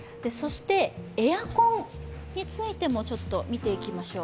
エアコンについても見ていきましょう。